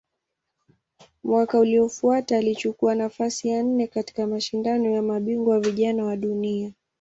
Mwaka uliofuata alichukua nafasi ya nne katika Mashindano ya Mabingwa Vijana wa Dunia.